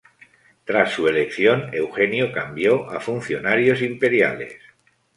Tras su elección, Eugenio cambió a funcionarios imperiales.